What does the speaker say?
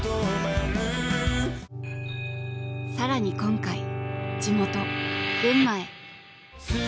更に今回地元・群馬へ。